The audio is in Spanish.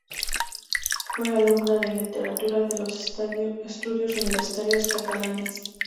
Fue alumna de literatura de los Estudios Universitarios Catalanes.